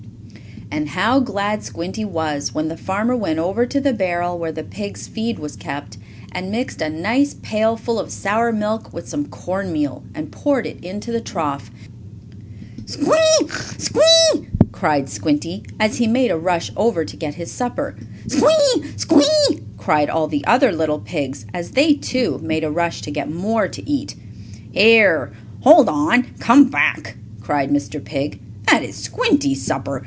And how glad Squinty was when the farmer went over to the barrel, where the pigs' feed was kept, and mixed a nice pailful of sour milk with some corn meal, and poured it into the trough. "Squee! Squee!" cried Squinty as he made a rush over to get his supper. "Squee! Squee!" cried all the other little pigs, as they, too, made a rush to get more to eat. "Here! Hold on! Come back!" cried Mr. Pig. "That is Squinty's supper.